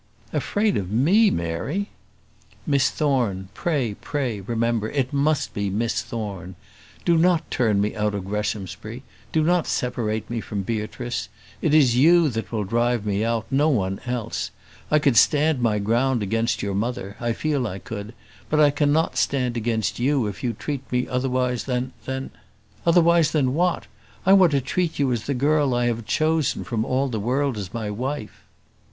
"Afraid of me, Mary!" "Miss Thorne; pray, pray, remember. It must be Miss Thorne. Do not turn me out of Greshamsbury. Do not separate me from Beatrice. It is you that will drive me out; no one else. I could stand my ground against your mother I feel I could; but I cannot stand against you if you treat me otherwise than than " "Otherwise than what? I want to treat you as the girl I have chosen from all the world as my wife."